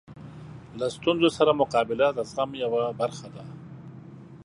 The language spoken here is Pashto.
له ستونزو سره مقابله د زغم یوه برخه ده.